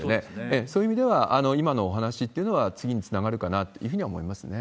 そういう意味では、今のお話というのは次につながるかなとは思いますね。